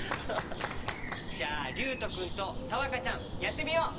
じゃありゅうとくんとさわかちゃんやってみよう！